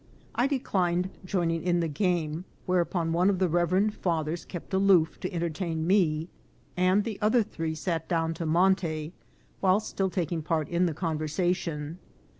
I declined joining in the game, whereupon one of the reverend fathers kept aloof to entertain me, and the other three sat down to Monte, still taking part in the conversation.